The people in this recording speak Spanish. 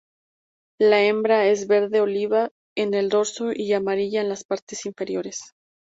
La hembra es verde oliva en el dorso y amarilla en las partes inferiores.